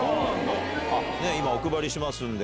今お配りしますんで。